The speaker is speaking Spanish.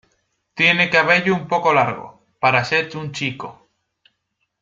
Tiene cabello un poco largo, para ser un chico.